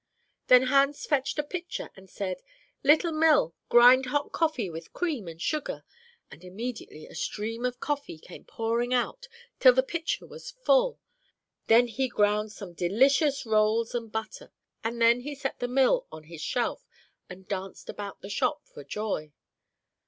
"Then Hans fetched a pitcher, and he said, 'Little mill, grind hot coffee with cream and sugar,' and immediately a stream of coffee came pouring out, till the pitcher was full. Then he ground some delicious rolls and butter, and then he set the mill on his shelf, and danced about the shop for joy.